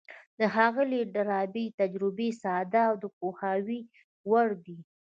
د ښاغلي ډاربي تجربې ساده او د پوهاوي وړ دي.